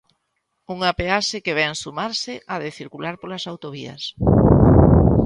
Unha peaxe que vén sumarse á de circular polas autovías.